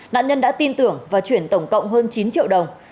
nạn nhân đã tin tưởng và chuyển tổng cộng hơn chín triệu đồng